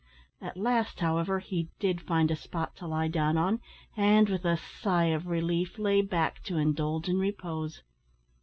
At last, however, he did find a spot to lie down on, and, with a sigh of relief, lay back to indulge in repose.